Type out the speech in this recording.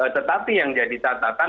tetapi yang jadi catatan